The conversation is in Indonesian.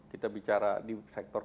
kita bicara di sektor